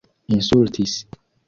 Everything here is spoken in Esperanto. insultis